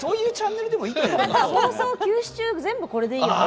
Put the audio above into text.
放送休止中全部これでいいよね。